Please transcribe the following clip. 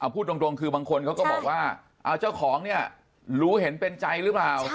พูดตรงคือบางคนเขาก็บอกว่าเจ้าของเนี่ยรู้เห็นเป็นใจหรือเปล่า